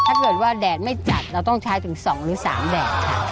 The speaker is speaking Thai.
ถ้าเกิดว่าแดดไม่จัดเราต้องใช้ถึง๒หรือ๓แดดค่ะ